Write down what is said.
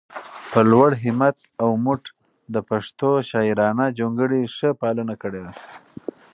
په لوړ همت او مټ د پښتو شاعرانه جونګړې ښه پالنه کړي ده